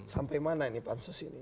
sampai mana ini pansus ini